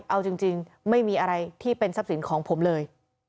เอาจริงไม่มีอะไรที่เป็นทรัพย์สินของผมเลย